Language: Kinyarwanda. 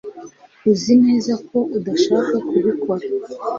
Uzi neza ko udashaka kubikora